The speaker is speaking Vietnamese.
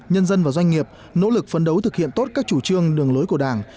nhân dân và doanh nghiệp nỗ lực phấn đấu thực hiện tốt các chủ trương đường lối của đảng